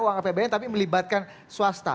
uang apbn tapi melibatkan swasta